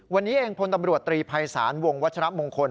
วันนี้เองพลตำรวจตรีภัยศาลวงวัชรมงคล